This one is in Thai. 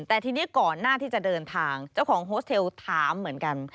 แต่ทีนี้ก่อนหน้าที่จะเดินทางเจ้าของโฮสเทลถามเหมือนกัน